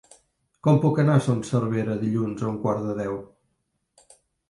Com puc anar a Son Servera dilluns a un quart de deu?